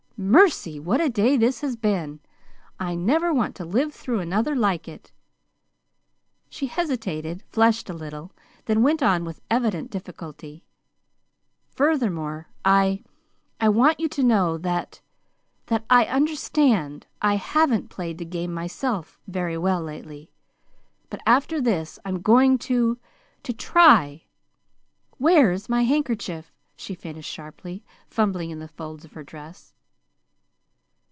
"Mercy, what a day this has been! I never want to live through another like it." She hesitated, flushed a little, then went on with evident difficulty: "Furthermore, I I want you to know that that I understand I haven't played the game myself very well, lately; but, after this, I'm going to to try WHERE'S my handkerchief?" she finished sharply, fumbling in the folds of her dress.